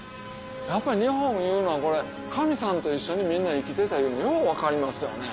やっぱり日本いうのは神さんと一緒にみんな生きてたいうのがよう分かりますよね。